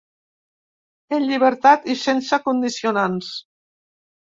En llibertat i sense condicionants.